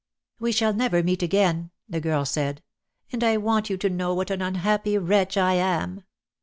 "We shall never meet again," the girl said, "and I want you to know what an unhappy wretch I am."